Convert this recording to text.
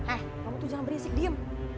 eh kamu tuh jangan berisik diem